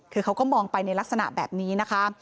คือเขาก็มองไปในลักษณะแบบนี้นะคะ